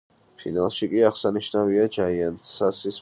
ფინალში კი აღსანიშნავია ჯაიანთსის ბოლო დრაივი.